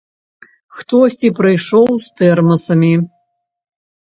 Хтосьці прыйшоў з тэрмасамі.